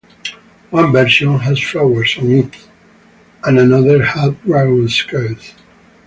One version has flowers on it and another has dragon scales.